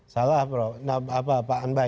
salah pak anbai